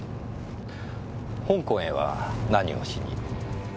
香港へは何をしに？